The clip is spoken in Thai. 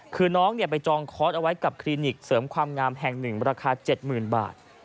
คือน้องไปจองคอร์สเอาไว้กับคลินิกเสริมความงามแห่งหนึ่งราคา๗๐๐บาท